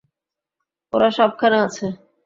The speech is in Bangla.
ওরা সবখানে আছে!